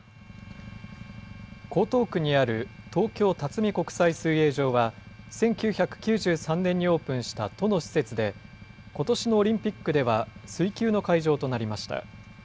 江東区にある東京辰巳国際水泳場は、１９９３年にオープンした都の施設で、ことしのオリンピックでは、水球の会場となりました。